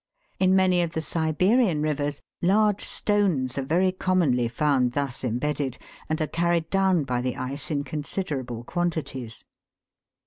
In many of the Siberian rivers large stones are very commonly found thus embedded, and are carried down by the ice in considerable quantities.